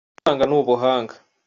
gucuranga n'ubuhanga.